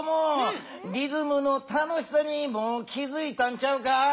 リズムの楽しさにもう気づいたんちゃうか？